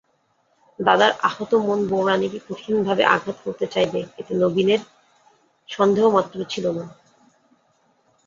দাদার আহত মন বউরানীকে কঠিনভাবে আঘাত করতে চাইবে এতে নবীনের সন্দেহমাত্র ছিল না।